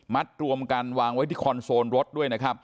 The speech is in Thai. มัดรวมกันวางไว้ที่คอนโซนรถด้วย